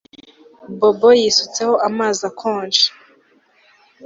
Bobo yisutseho amazi akonje